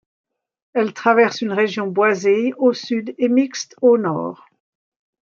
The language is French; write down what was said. Elle traverse une région boisée au sud et mixte au nord.